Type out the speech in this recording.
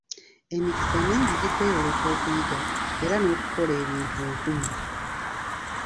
Emikisa mingi gikweyoleka okuyiga era n'okukola ebintu nkumu.